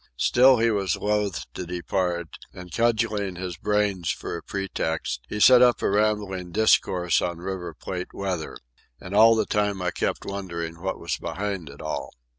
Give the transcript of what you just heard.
Still he was loth to depart, and, cudgelling his brains for a pretext, he set up a rambling discourse on River Plate weather. And all the time I kept wondering what was behind it all.